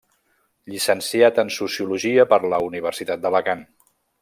Llicenciat en sociologia per la Universitat d'Alacant.